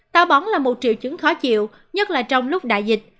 táo bóng là một triệu chứng khó chịu nhất là trong lúc đại dịch